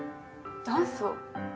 ダンスを？